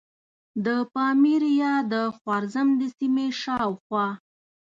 د پامیر یا د خوارزم د سیمې شاوخوا.